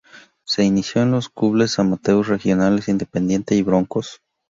Se inició en los clubes amateur-regionales Independiente y Broncos.